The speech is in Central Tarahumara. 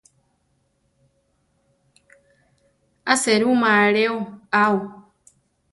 A serúma alé ao.